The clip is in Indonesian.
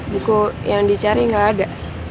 buku yang dicari nggak ada